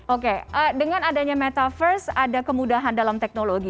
oke dengan adanya metaverse ada kemudahan dalam teknologi